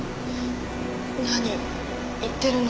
何言ってるの？